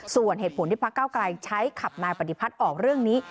ส่วนเหตุผลที่พักเก้าไกลใช้ขับนายปฏิพัฒน์ออกเรื่องนี้